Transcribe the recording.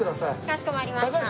かしこまりました。